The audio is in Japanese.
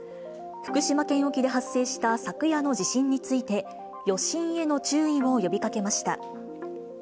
福島県沖で発生した昨夜の地震について余震への注意を呼びかけました。